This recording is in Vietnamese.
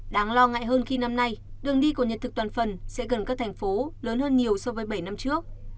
đáng lo ngại hơn khi năm nay đường đi của nhật thực toàn phần sẽ gần các thành phố lớn hơn nhiều so với bảy năm trước